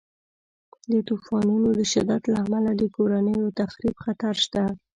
د طوفانونو د شدت له امله د کورنیو د تخریب خطر شته.